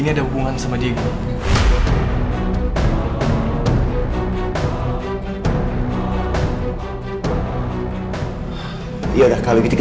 ini clara anak kamu